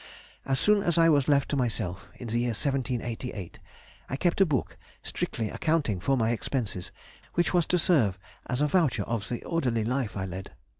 As soon as I was left to myself, in the year 1788, I kept a book strictly accounting for my expenses, which was to serve as a voucher of the orderly life I led.